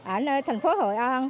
ở nơi thành phố hội an